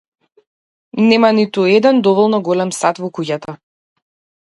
Нема ниту еден доволно голем сад во куќата.